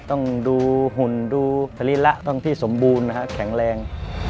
ต้องดูหุ่นดูสรีระต้องที่สมบูรณ์นะฮะแข็งแรง